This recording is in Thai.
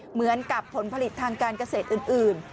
เหมือนกับผลผลิตทางการเกษตรอื่น